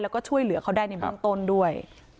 แล้วก็ช่วยเหลือเขาได้ในเบื้องต้นด้วย